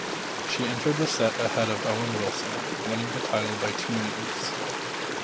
She entered the set ahead of Owen Wilson, winning the title by two metres.